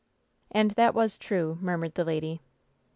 "And that was true," murmured the lady.